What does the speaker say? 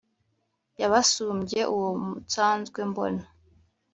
y’ubasumbye uwo nsanzwe mbona